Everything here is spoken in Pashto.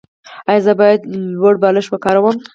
ایا زه باید لوړ بالښت وکاروم؟